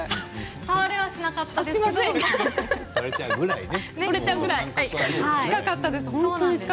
触れはしなかったんですけどね。